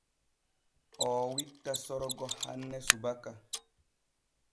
Oo witta Sorgo hanne subaka.